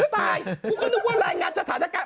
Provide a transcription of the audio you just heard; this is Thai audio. ตายกูก็นึกว่ารายงานสถานการณ์